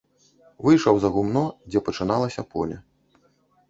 Выйшаў за гумно, дзе пачыналася поле.